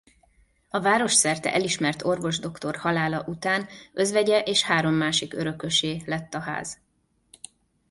A városszerte elismert orvosdoktor halála után özvegye és három másik örökösé lett a ház.